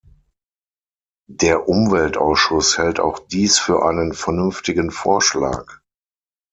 Der Umweltausschuss hält auch dies für einen vernünftigen Vorschlag.